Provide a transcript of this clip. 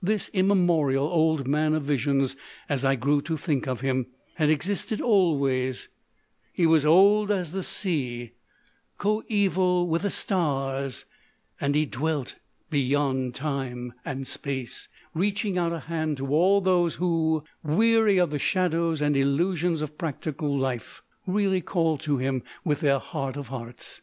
This immemorial Old Man of Visions, as I grew to think of him, had existed always ; he was old as the sea and coeval with the stars ; and he dwelt beyond time and space, reaching out a hand to all those who, weary of the shadows and illusions of practical life, really call to him with their heart of hearts.